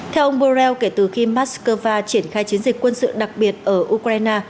theo ông borrell kể từ khi moscow triển khai chiến dịch quân sự đặc biệt ở ukraine